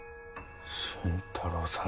新太郎さん